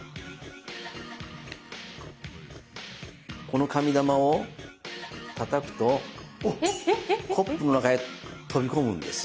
この紙玉をたたくとコップの中へ飛び込むんです。